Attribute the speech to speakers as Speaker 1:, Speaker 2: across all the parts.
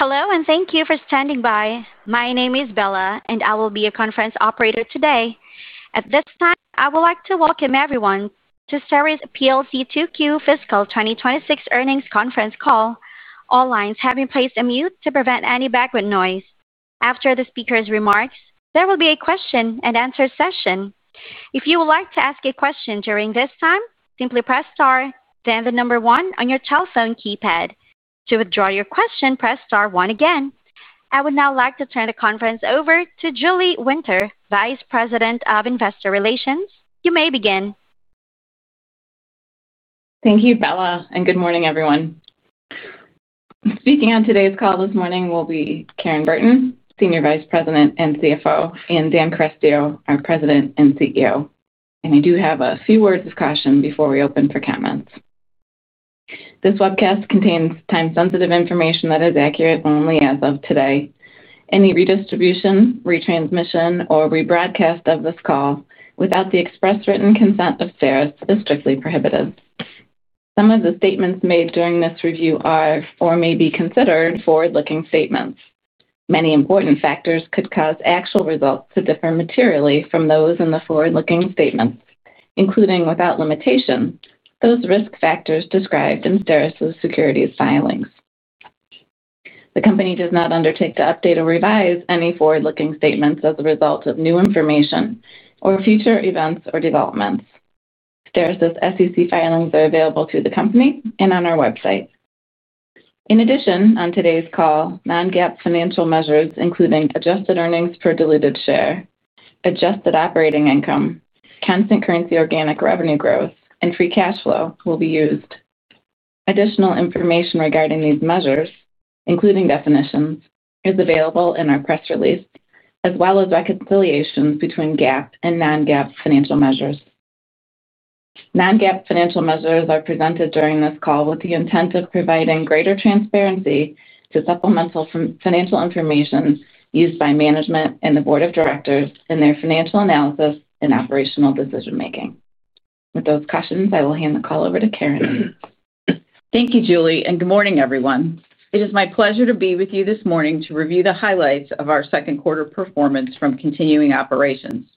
Speaker 1: Hello, and thank you for standing by. My name is Bella, and I will be your conference operator today. At this time, I would like to welcome everyone to STERIS PLC 2Q Fiscal 2026 Earnings Conference Call. All lines have been placed on mute to prevent any background noise. After the speaker's remarks, there will be a question-and-answer session. If you would like to ask a question during this time, simply press star, then the number one on your telephone keypad. To withdraw your question, press star, one again. I would now like to turn the conference over to Julie Winter, Vice President of Investor Relations. You may begin.
Speaker 2: Thank you, Bella. Good morning, everyone. Speaking on today's call this morning will be Karen Burton, Senior Vice President and CFO, and Dan Carestio, our President and CEO. I do have a few words of caution before we open for comments. This webcast contains time-sensitive information that is accurate only as of today. Any redistribution, retransmission, or rebroadcast of this call without the express written consent of STERIS is strictly prohibited. Some of the statements made during this review are or may be considered forward-looking statements. Many important factors could cause actual results to differ materially from those in the forward-looking statements, including without limitation, those risk factors described in STERIS's securities filings. The company does not undertake to update or revise any forward-looking statements as a result of new information, or future events or developments. STERIS's SEC filings are available to the company and on our website. In addition, on today's call, non-GAAP financial measures, including adjusted earnings per diluted share, adjusted operating income, constant currency organic revenue growth, and free cash flow, will be used. Additional information regarding these measures, including definitions is available in our press release, as well as reconciliations between GAAP and non-GAAP financial measures. Non-GAAP financial measures are presented during this call, with the intent of providing greater transparency to supplemental financial information used by management, and the board of directors in their financial analysis and operational decision-making. With those [cautions], I will hand the call over to Karen.
Speaker 3: Thank you, Julie. Good morning, everyone. It is my pleasure to be with you this morning, to review the highlights of our second-quarter performance from continuing operations.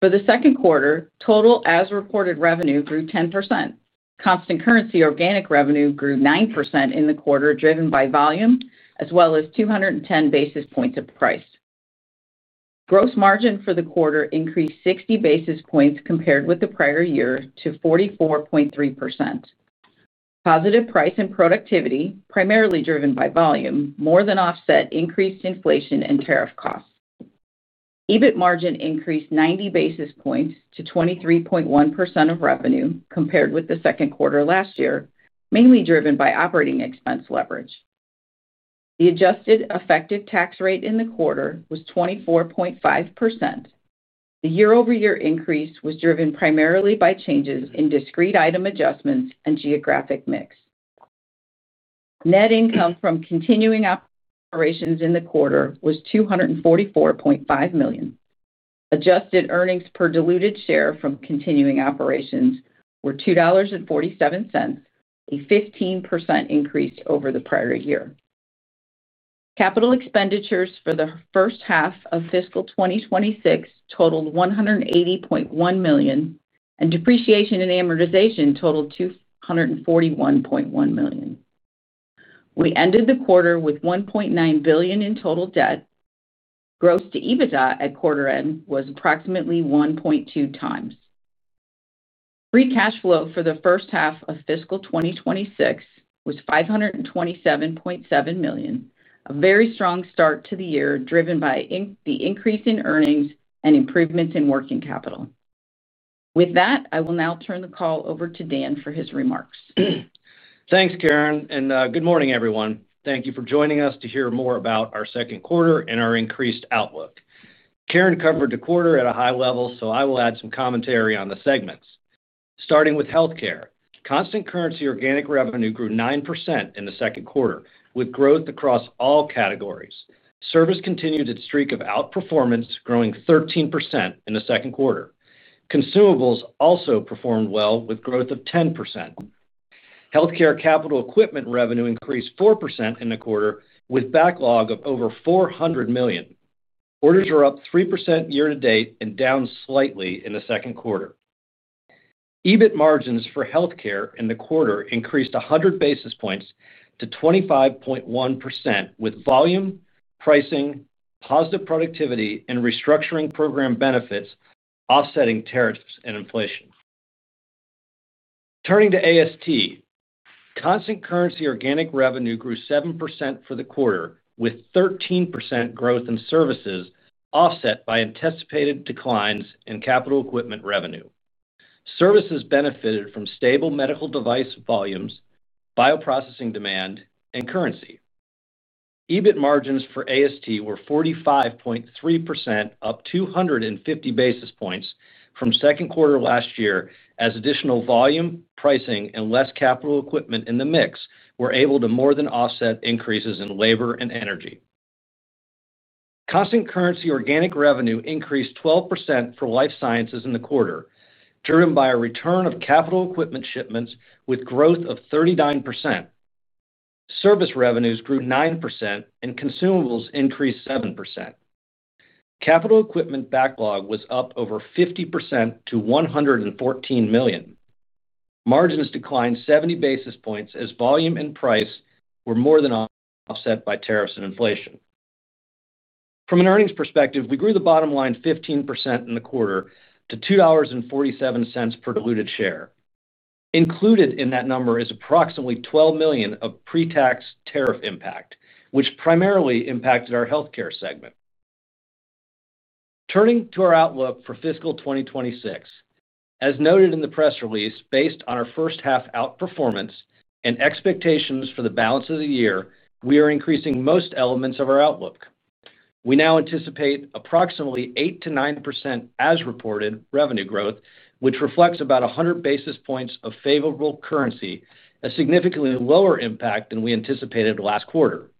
Speaker 3: For the second quarter, total as-reported revenue grew 10%. Constant currency organic revenue grew 9% in the quarter, driven by volume, as well as 210 basis points of price. Gross margin for the quarter increased 60 basis points compared with the prior year to 44.3%. Positive price and productivity, primarily driven by volume, more than offset increased inflation and tariff costs. EBIT margin increased 90 basis points to 23.1% of revenue compared with the second quarter last year, mainly driven by operating expense leverage. The adjusted effective tax rate in the quarter was 24.5%. The year-over-year increase was driven primarily by changes in discrete item adjustments and geographic mix. Net income from continuing operations in the quarter was $244.5 million. Adjusted earnings per diluted share from continuing operations were $2.47, a 15% increase over the prior year. Capital expenditures for the first half of fiscal 2026 totaled $180.1 million, and depreciation and amortization totaled $241.1 million. We ended the quarter with $1.9 billion in total debt. Gross to EBITDA at quarter-end was approximately 1.2x. Free cash flow for the first half of fiscal 2026 was $527.7 million, a very strong start to the year driven by the increase in earnings and improvements in working capital. With that, I will now turn the call over to Dan for his remarks.
Speaker 4: Thanks, Karen. Good morning, everyone. Thank you for joining us to hear more about our second quarter and our increased outlook. Karen covered the quarter at a high level, so I will add some commentary on the segments. Starting with healthcare, constant currency organic revenue grew 9% in the second quarter, with growth across all categories. Service continued its streak of outperformance, to growing 13% in the second quarter. Consumables also performed well, with growth of 10%. Healthcare capital equipment revenue increased 4% in the quarter, with backlog of over $400 million. Orders were up 3% year-to-date, and down slightly in the second quarter. EBIT margins for healthcare in the quarter increased 100 basis points to 25.1%, with volume, pricing, positive productivity, and restructuring program benefits offsetting tariffs and inflation. Turning to AST. Constant currency organic revenue grew 7% for the quarter, with 13% growth in services offset by anticipated declines in capital equipment revenue. Services benefited from stable medical device volumes, bioprocessing demand, and currency. EBIT margins for AST were 45.3%, up 250 basis points from second quarter last year, as additional volume, pricing, and less capital equipment in the mix were able to more than offset increases in labor and energy. Constant currency organic revenue increased 12% for life sciences in the quarter, driven by a return of capital equipment shipments, with growth of 39%. Service revenues grew 9%, and consumables increased 7%. Capital equipment backlog was up over 50% to $114 million. Margins declined 70 basis points, as volume and price were more than offset by tariffs and inflation. From an earnings perspective, we grew the bottom line 15% in the quarter to $2.47 per diluted share. Included in that number is approximately $12 million of pre-tax tariff impact, which primarily impacted our healthcare segment. Turning to our outlook for fiscal 2026, as noted in the press release, based on our first-half outperformance and expectations for the balance of the year, we are increasing most elements of our outlook. We now anticipate approximately 8%-9% as-reported revenue growth, which reflects about 100 basis points of favorable currency, a significantly lower impact than we anticipated last quarter.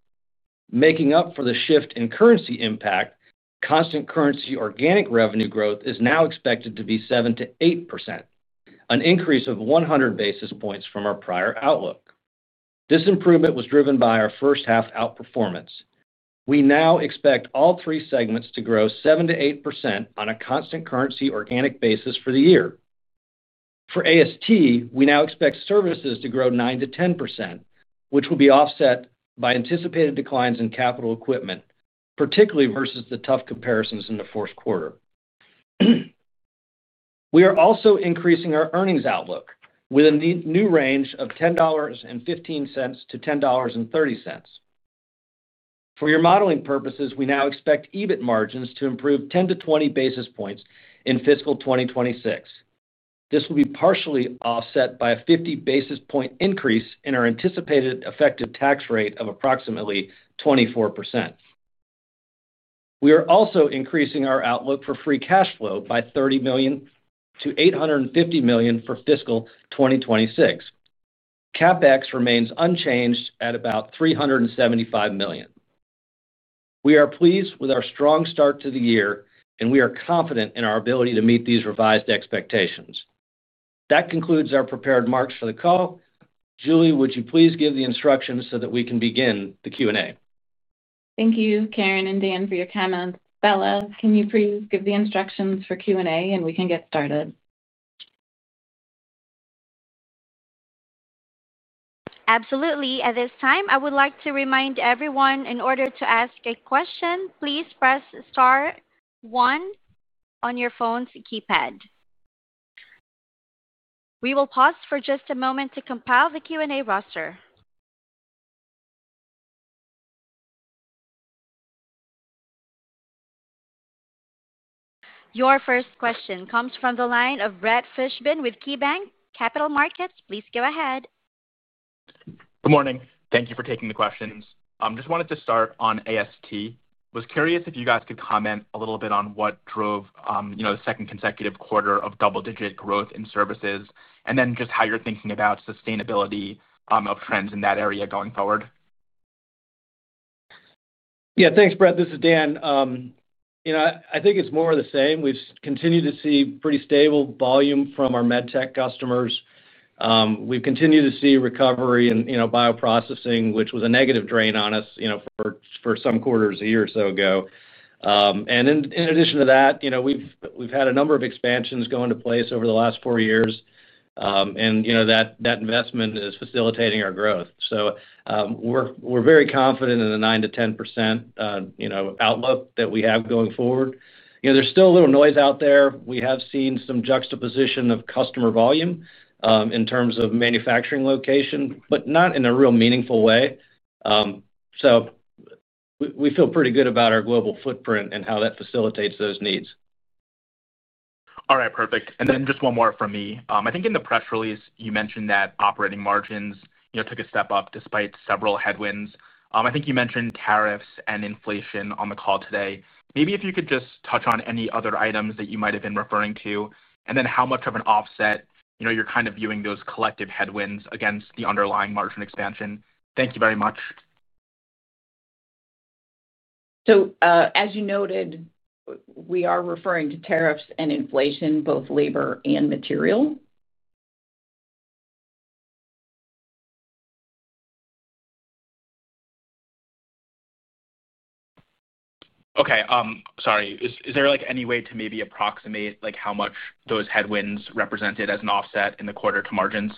Speaker 4: Making up for the shift in currency impact, constant currency organic revenue growth is now expected to be 7%-8%, an increase of 100 basis points from our prior outlook. This improvement was driven by our first-half outperformance. We now expect all three segments to grow 7%-8% on a constant currency organic basis for the year. For AST, we now expect services to grow 9%-10%, which will be offset by anticipated declines in capital equipment, particularly versus the tough comparisons in the fourth quarter. We are also increasing our earnings outlook with a new range of $10.15-$10.30. For your modeling purposes, we now expect EBIT margins to improve 10-20 basis points in fiscal 2026. This will be partially offset by a 50 basis point increase in our anticipated effective tax rate of approximately 24%. We are also increasing our outlook for free cash flow by $30 million to $850 million for fiscal 2026. CapEx remains unchanged at about $375 million. We are pleased with our strong start to the year, and we are confident in our ability to meet these revised expectations. That concludes our prepared remarks for the call. Julie, would you please give the instructions so that we can begin the Q&A?
Speaker 2: Thank you, Karen and Dan for your comments. Bella, can you please give the instructions for Q&A, and we can get started?
Speaker 1: Absolutely. At this time, I would like to remind everyone, in order to ask a question, please press star, one on your phone's keypad. We will pause for just a moment to compile the Q&A roster. Your first question comes from the line of Brett Fishbin with KeyBanc Capital Markets. Please go ahead.
Speaker 5: Good morning. Thank you for taking the questions. I just wanted to start on AST. I was curious if you guys could comment a little bit on what drove the second consecutive quarter of double-digit growth in services, and then just how you're thinking about sustainability of trends in that area going forward.
Speaker 4: Yeah. Thanks, Brett. This is Dan. I think it's more of the same. We've continued to see pretty stable volume from our medtech customers. We've continued to see recovery in bioprocessing, which was a negative drain on us for some quarters a year or so ago. In addition to that, we've had a number of expansions go into place over the last four years, and that investment is facilitating our growth. We're very confident in the 9%-10% outlook that we have going forward. There's still a little noise out there. We have seen some juxtaposition of customer volume in terms of manufacturing location, but not in a real meaningful way. We feel pretty good about our global footprint and how that facilitates those needs.
Speaker 5: All right, perfect. Just one more from me. I think in the press release, you mentioned that operating margins took a step up despite several headwinds. I think you mentioned tariffs and inflation on the call today. Maybe if you could just touch on any other items that you might have been referring to, and then how much of an offset you're kind of viewing those collective headwinds against the underlying margin expansion? Thank you very much.
Speaker 3: As you noted, we are referring to tariffs and inflation, both labor and material.
Speaker 5: Okay, sorry. Is there any way to maybe approximate how much those headwinds represented as an offset in the quarter-to-margins?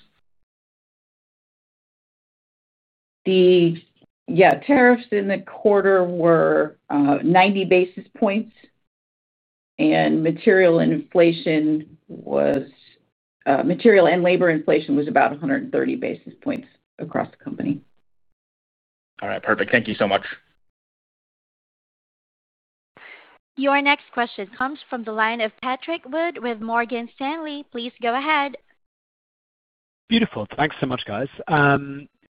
Speaker 3: Yeah. Tariffs in the quarter were 90 basis points. Material and labor inflation was about 130 basis points across the company.
Speaker 5: All right, perfect. Thank you so much.
Speaker 1: Your next question comes from the line of Patrick Wood with Morgan Stanley. Please go ahead.
Speaker 6: Beautiful. Thanks so much, guys.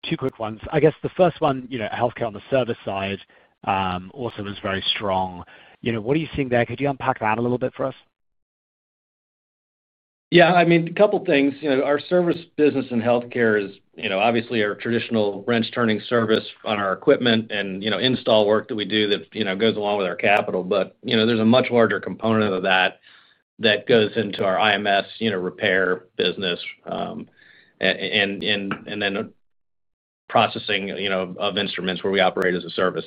Speaker 6: Two quick ones. I guess the first one, healthcare on the service side also was very strong. What are you seeing there? Could you unpack that a little bit for us?
Speaker 4: Yeah. I mean, a couple of things. Our service business in healthcare is obviously our traditional wrench-turning service on our equipment, and install work that we do that goes along with our capital. There is a much larger component of that that goes into our IMS repair business, and then processing of instruments where we operate as a service.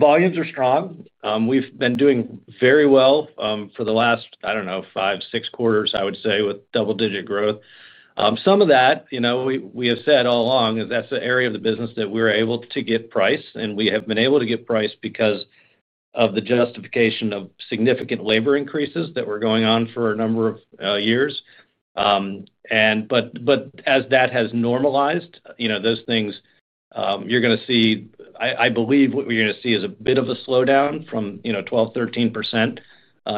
Speaker 4: Volumes are strong. We've been doing very well for the last, I don't know, five, six quarters, I would say, with double-digit growth. Some of that, we have said all along, that's the area of the business that we're able to get price. We have been able to get price, because of the justification of significant labor increases that were going on for a number of years. As that has normalized, I believe what we're going to see is a bit of a slowdown from 12%-13%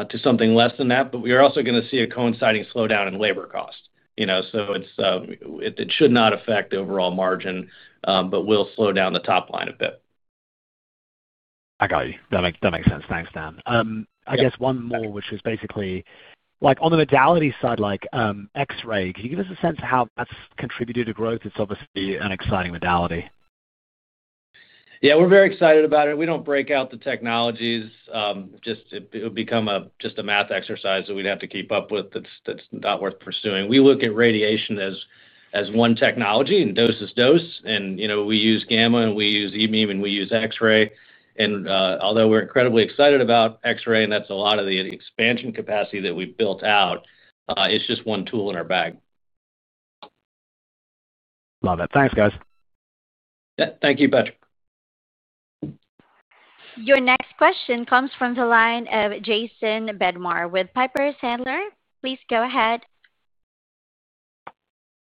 Speaker 4: to something less than that. We're also going to see a coinciding slowdown in labor cost. It should not affect the overall margin, but will slow down the top line a bit.
Speaker 6: I got you, that makes sense. Thanks, Dan. I guess one more, which is basically, on the modality side, X-ray, could you give us a sense of how that's contributed to growth? It's obviously an exciting modality.
Speaker 4: Yeah, we're very excited about it. We don't break out the technologies. It would become just a math exercise that we'd have to keep up with, that's not worth pursuing. We look at radiation as one technology and dose is dose. We use gamma, and we use E-bean and we use X-ray. Although we're incredibly excited about X-ray and that's a lot of the expansion capacity that we've built out, it's just one tool in our bag.
Speaker 6: Love it. Thanks, guys.
Speaker 4: Yeah. Thank you, Patrick.
Speaker 1: Your next question comes from the line of Jason Bednar with Piper Sandler. Please go ahead.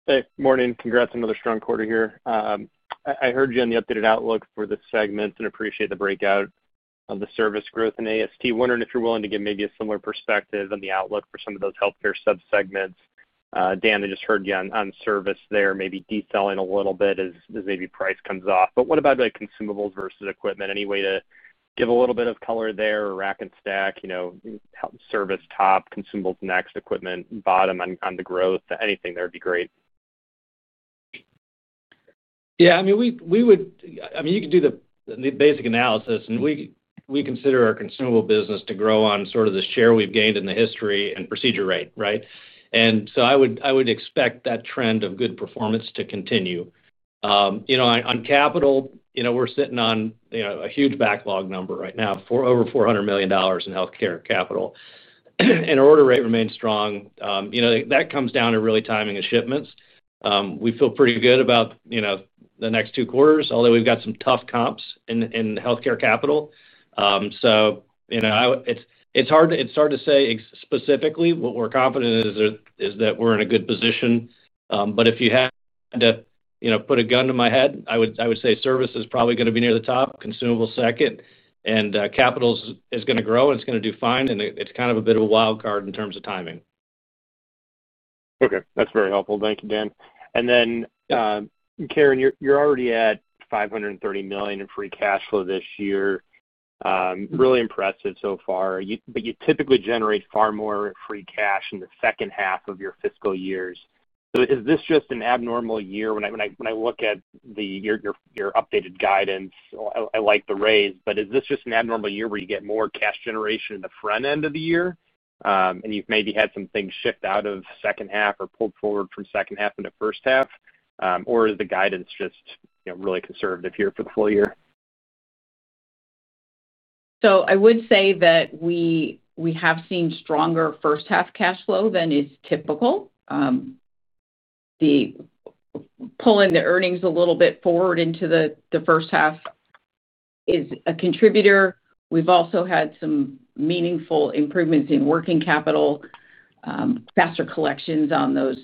Speaker 7: Hey, morning. Congrats on another strong quarter here. I heard you on the updated outlook for the segments and appreciate the breakout of the service growth in AST. Wondering if you're willing to give maybe a similar perspective on the outlook for some of those healthcare subsegments. Dan, I just heard you on service there, maybe [decelerating] a little bit as maybe price comes off. What about consumables versus equipment? Any way to give a little bit of color there or rack and stack, service top, consumables next, equipment bottom on the growth? Anything there would be great.
Speaker 4: Yeah. I mean, you could do the basic analysis, and we consider our consumable business to grow on sort of the share we've gained in the history and procedure rate, right? I would expect that trend of good performance to continue. On capital, we're sitting on a huge backlog number right now, over $400 million in healthcare capital. Our order rate remains strong. That comes down to really timing of shipments. We feel pretty good about the next two quarters, although we've got some tough comps in healthcare capital. It's hard to say specifically. We're confident that we're in a good position. If you had to put a gun to my head, I would say service is probably going to be near the top, consumables second, and capital is going to grow and it's going to do fine. It's kind of a bit of a wild card in terms of timing.
Speaker 7: Okay, that's very helpful. Thank you, Dan. Karen, you're already at $530 million in free cash flow this year. Really impressive so far. You typically generate far more free cash in the second half of your fiscal years. Is this just an abnormal year? When I look at your updated guidance, I like the raise, but is this just an abnormal year where you get more cash generation in the front end of the year? You've maybe had some things shift out of second half or pulled forward from second half into first half. Is the guidance just really conservative here for the full year?
Speaker 3: I would say that we have seen stronger first-half cash flow than is typical. Pulling the earnings a little bit forward into the first half is a contributor. We've also had some meaningful improvements in working capital, faster collections on those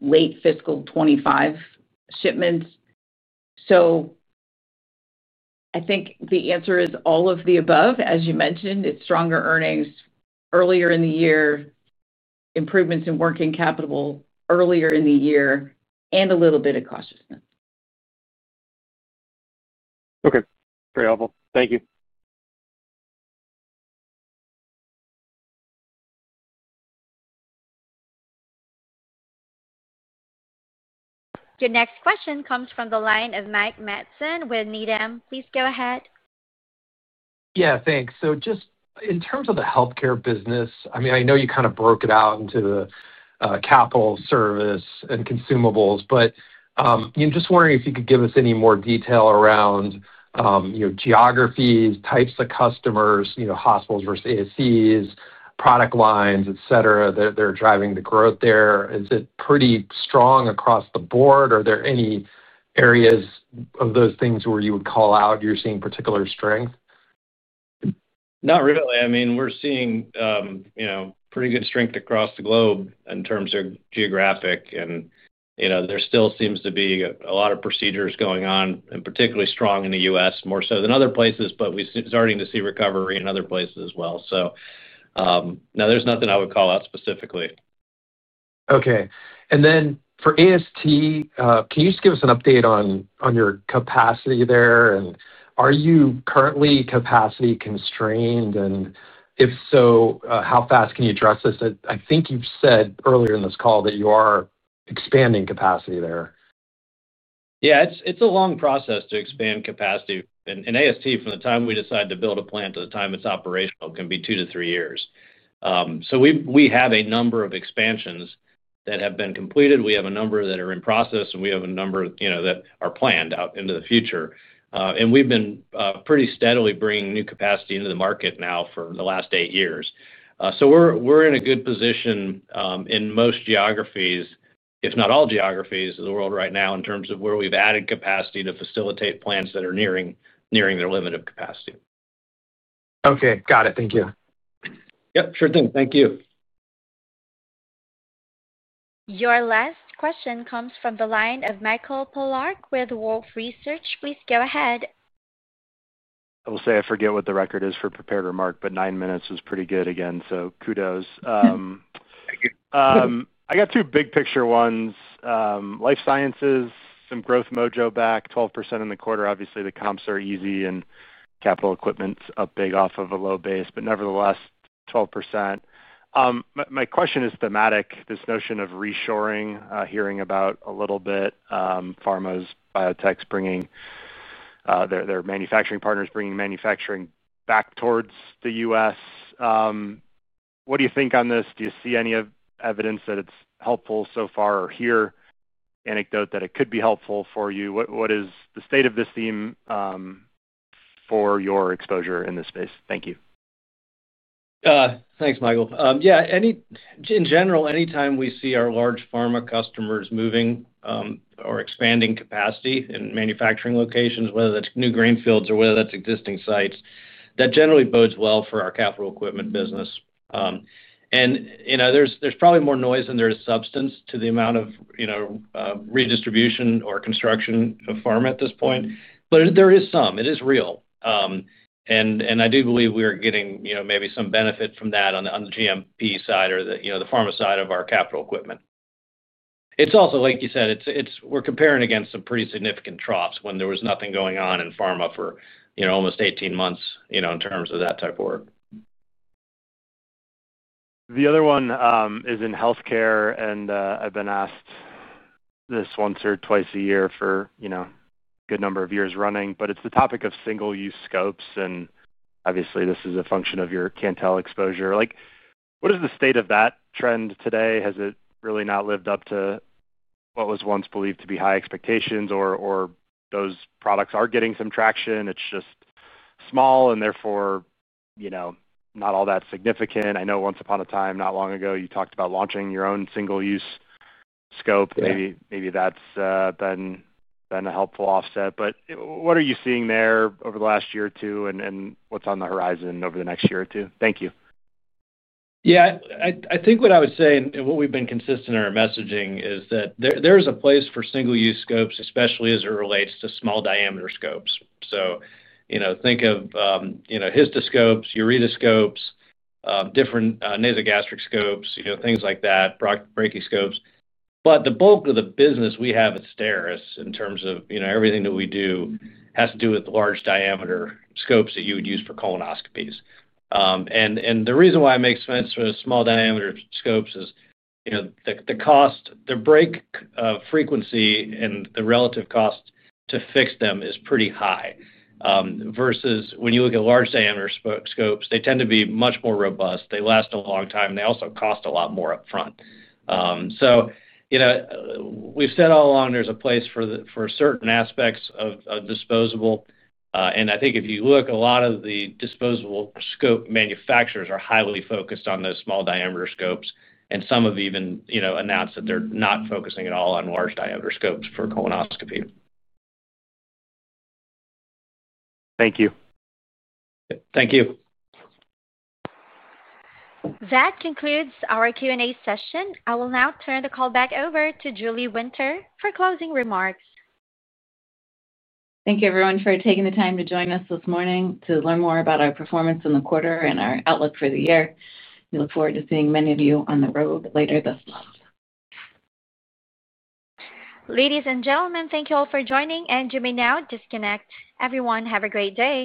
Speaker 3: late fiscal 2025 shipments. I think the answer is all of the above. As you mentioned, it's stronger earnings earlier in the year, improvements in working capital earlier in the year and a little bit of cautious.
Speaker 7: Okay, very helpful. Thank you.
Speaker 1: Your next question comes from the line of Mike Matson with Needham. Please go ahead.
Speaker 8: Yeah, thanks. Just in terms of the healthcare business, I mean, I know you kind of broke it out into the capital, service, and consumables, but just wondering if you could give us any more detail around geographies, types of customers, hospitals versus ASCs, product lines, etc., that are driving the growth there. Is it pretty strong across the board? Are there any areas of those things where you would call out you're seeing particular strength?
Speaker 4: Not really. I mean, we're seeing pretty good strength across the globe in terms of geographic. There still seems to be a lot of procedures going on, and particularly strong in the U.S., more so than other places, but we're starting to see recovery in other places as well. No, there's nothing I would call out specifically.
Speaker 8: Okay. For AST, can you just give us an update on your capacity there? Are you currently capacity-constrained? If so, how fast can you address this? I think you've said earlier in this call that you are expanding capacity there.
Speaker 4: Yeah, it's a long process to expand capacity. AST, from the time we decide to build a plant to the time it's operational, can be two to three years. We have a number of expansions that have been completed. We have a number that are in process, and we have a number that are planned out into the future. We've been pretty steadily bringing new capacity into the market now for the last eight years. We are in a good position in most geographies, if not all geographies of the world right now, in terms of where we have added capacity to facilitate plants that are nearing their limit of capacity.
Speaker 8: Okay, got it. Thank you.
Speaker 4: Yep, sure thing. Thank you.
Speaker 1: Your last question comes from the line of Michael Pollard with Wolfe Research. Please go ahead.
Speaker 9: I will say I forget what the record is for a prepared remark, but nine minutes was pretty good again, so kudos.
Speaker 4: Thank you.
Speaker 9: I got two big picture ones. Life sciences, some growth mojo back, 12% in the quarter. Obviously, the comps are easy, and capital equipment's up big off of a low base, but nevertheless, 12%. My question is thematic. This notion of reshoring, hearing about a little bit, pharmas, their manufacturing partners bringing manufacturing back towards the U.S. What do you think on this? Do you see any evidence that it's helpful so far or hear anecdote that it could be helpful for you? What is the state of this theme for your exposure in this space? Thank you.
Speaker 4: Thanks, Michael. Yeah, in general, anytime we see our large pharma customers moving or expanding capacity in manufacturing locations, whether that's new greenfields or whether that's existing sites, that generally bodes well for our capital equipment business. There's probably more noise than there is substance to the amount of redistribution or construction of pharma at this point, but there is some. It is real. I do believe we are getting maybe some benefit from that on the GMP side or the pharma side of our capital equipment. It's also, like you said, we're comparing against some pretty significant troughs when there was nothing going on in pharma for almost 18 months in terms of that type of work.
Speaker 9: The other one is in healthcare, and I've been asked this once or twice a year for a good number of years running. It's the topic of single-use scopes. Obviously, this is a function of your Cantel exposure. What is the state of that trend today? Has it really not lived up to what was once believed to be high expectations, or are those products getting some traction, it's just small and therefore not all that significant? I know once upon a time, not long ago, you talked about launching your own single-use scope. Maybe that's been a helpful offset. What are you seeing there over the last year or two, and what's on the horizon over the next year or two? Thank you.
Speaker 4: Yeah. I think what I would say, and what we've been consistent in our messaging, is that there is a place for single-use scopes, especially as it relates to small-diameter scopes. Think of histoscopes and ureteroscopes, different nasogastric scopes, things like that, [brachyscopes]. The bulk of the business we have is STERIS, in terms of everything that we do has to do with large diameter scopes that you would use for colonoscopies. The reason why it makes sense for small diameter scopes is the cost, the break frequency and the relative cost to fix them is pretty high versus when you look at large diameter scopes, they tend to be much more robust. They last a long time, and they also cost a lot more upfront. We've said all along there is a place for certain aspects of disposable. I think if you look, a lot of the disposable scope manufacturers are highly focused on those small-diameter scopes. Some have even announced that they're not focusing at all on large-diameter scopes for colonoscopy.
Speaker 9: Thank you.
Speaker 4: Thank you.
Speaker 1: That concludes our Q&A session. I will now turn the call back over to Julie Winter for closing remarks.
Speaker 2: Thank you, everyone for taking the time to join us this morning to learn more about our performance in the quarter and our outlook for the year. We look forward to seeing many of you on the road later this month.
Speaker 1: Ladies and gentlemen, thank you all for joining. You may now disconnect. Everyone, have a great day.